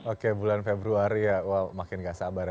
oke bulan februari ya makin gak sabar